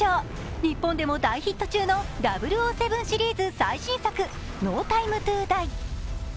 日本でも大ヒット中の「００７」最新シリーズ、「ＮＯＴＩＭＥＴＯＤＩＥ」。